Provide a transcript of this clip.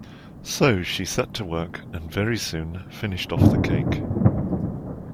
So she set to work, and very soon finished off the cake.